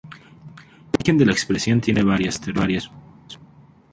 El origen de la expresión tiene varias teorías.